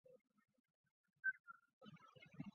乾隆十三年戊辰科一甲第三名进士。